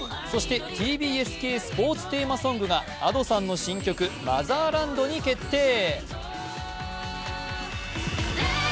そしてＴＢＳ北京オリンピック中継テーマソングがＡｄｏさんの新曲「マザーランド」に決定。